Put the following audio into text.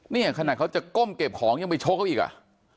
เนี่ยขนาดเขาจะก้มเก็บของยังไปชกเขาอีกอ่ะ